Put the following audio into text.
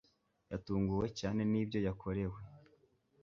Yatunguwe cyane nibyo yakorewe